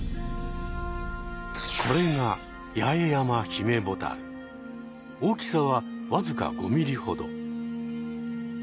これが大きさはわずか５ｍｍほど。